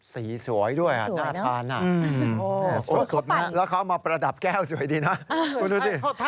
สีสวยด้วยอ่ะหน้าทานอ่ะสดมากแล้วเขามาประดับแก้วสวยดีนะ